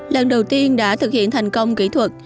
lần đầu tiên đã thực hiện thành công kỹ thuật